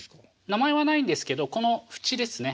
名前はないんですけどこの縁ですね